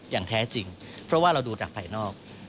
อย่างแท้จริงเพราะว่าเราดูจากภายนอก